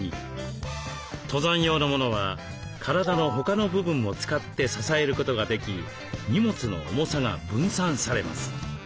登山用のものは体の他の部分も使って支えることができ荷物の重さが分散されます。